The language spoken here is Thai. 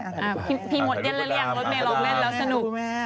ทีมดยนต์แล้วรถมันลงเล่นแล้วสนุก